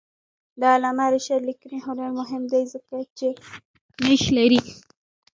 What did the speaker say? د علامه رشاد لیکنی هنر مهم دی ځکه چې نیښ لري.